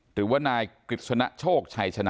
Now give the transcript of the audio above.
หรือว่านายกฤษณโชคชัยชนะ